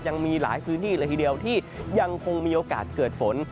ยังมีหลายพื้นที่เลยทีเดียวที่ยังคงมีโอกาสเกิดฝน